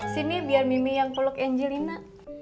sini biar mimi yang peluk angelina